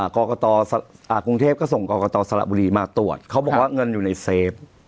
กรกตกรุงเทพก็ส่งกรกตสระบุรีมาตรวจเขาบอกว่าเงินอยู่ในเซฟ